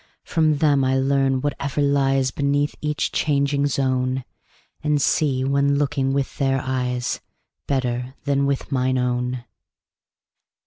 From them I learn whatever lies Beneath each changing zone, And see, when looking with their eyes, 35 Better than with mine own.